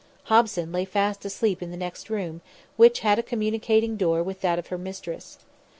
Hobson lay fast asleep in the next room, which had a communicating door with that of her mistress.